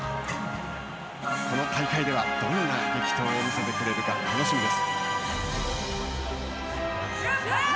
この大会では、どんな激闘を見せてくれるか楽しみです。